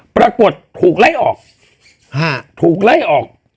ปรากฏถูกไล่ออกถูกไล่ออก